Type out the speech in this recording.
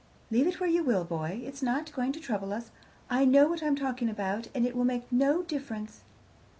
"Leave it where you will, boy. It's not going to trouble us: I know what I'm talking about, and it will make no difference."